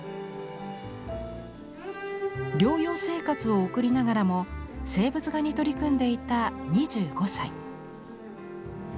療養生活を送りながらも静物画に取り組んでいた２５歳。